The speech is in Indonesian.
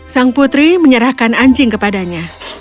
sang putri menyerahkan anjing kepadanya